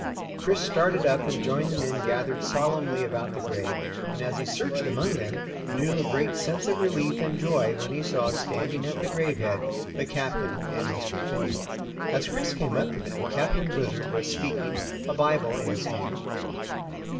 Chris started up and joined the men gathered solemnly about the grave, and as he searched among them, knew a great sense of relief and joy when he saw, standing at the grave head, the Captain and Mr. Finney. As Chris came up to them, Captain Blizzard was speaking, a Bible in his hand.